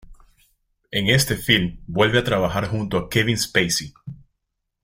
En este film vuelve a trabajar junto a Kevin Spacey.